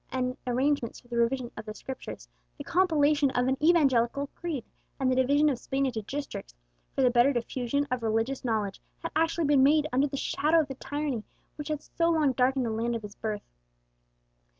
Alcala found that arrangements for the revision of the Scriptures, the compilation of an evangelical creed, and the division of Spain into districts, for the better diffusion of religious knowledge, had actually been made under the shadow of the tyranny which had so long darkened the land of his birth.